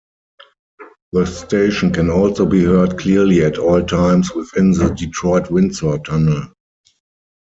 The station can also be heard clearly at all times within the Detroit-Windsor Tunnel.